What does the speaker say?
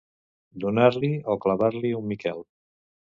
Donar-li o clavar-li un miquel.